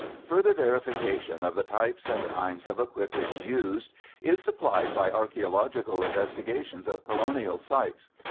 _)] Further verification of the types and kinds of equipage used is supplied by archeological investigations of colonial sites.